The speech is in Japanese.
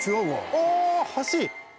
あ！橋？